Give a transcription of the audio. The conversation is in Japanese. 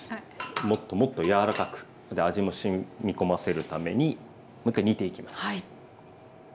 もっともっと柔らかく味もしみこませるためにもう一回煮ていきます。